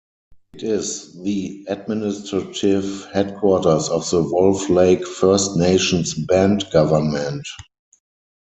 It is the administrative headquarters of the Wolf Lake First Nations band government.